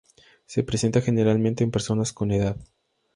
Se presenta generalmente en personas con edad.